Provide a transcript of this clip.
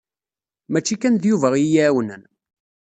Mačči kan d Yuba iyi-ɛawnen.